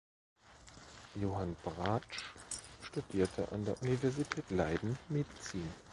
Johann Bartsch studierte an der Universität Leiden Medizin.